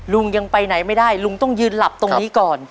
ลุงยังไปไหนไม่ได้ลุงต้องยืนหลับตรงนี้ก่อน